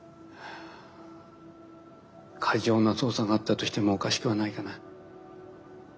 過剰な捜査があったとしてもおかしくはないかな。